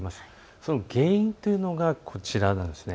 その原因というのがこちらです。